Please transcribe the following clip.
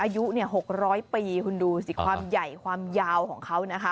เชิญมากที่ชาวบ้านอายุ๖๐๐ปีคุณดูสิความใหญ่ความยาวของเขานะคะ